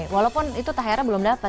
walaupun itu tahera belum dapat